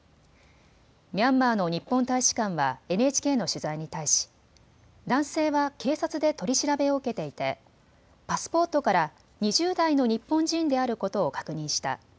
ミャンマーの日本大使館はＮＨＫの取材に対し男性は警察で取り調べを受けていてパスポートから２０代の日本人であることを確認した。